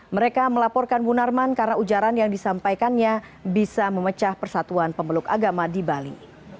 mereka melaporkan munarman karena ujaran yang disampaikannya bisa memecah persatuan pemeluk agama di bali